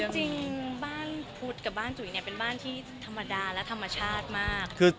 จริงบ้านพุทธกับบ้านจุ๋ยเนี่ยเป็นบ้านที่ธรรมดาและธรรมชาติมาก